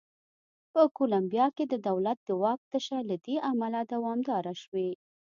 په کولمبیا کې د دولت د واک تشه له دې امله دوامداره شوې.